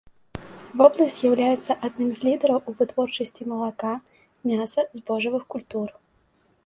Вобласць з'яўляецца адным з лідараў у вытворчасці малака, мяса, збожжавых культур.